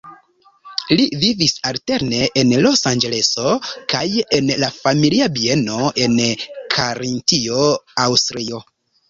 Li vivis alterne en Losanĝeleso kaj en la familia bieno en Karintio, Aŭstrio.